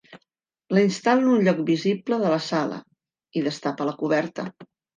La instal·la en un lloc visible de la sala i destapa la coberta.